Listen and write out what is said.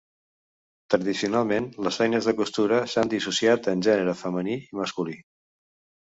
Tradicionalment les feines de costura s'han dissociat en gènere femení i masculí.